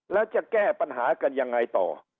แล้วจะแก้ปัญหากันยังไงต่อ